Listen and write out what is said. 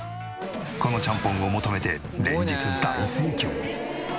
このちゃんぽんを求めて連日大盛況。